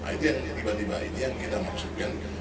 itu yang tiba tiba ini yang kita maksudkan